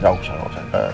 gak usah gak usah